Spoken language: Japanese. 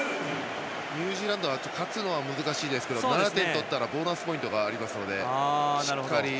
ニュージーランドは勝つのは難しいですけど７点取ったらボーナスポイントがあるので。